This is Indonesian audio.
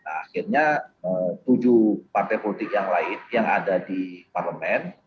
akhirnya tujuh partai politik yang lain yang ada di parlemen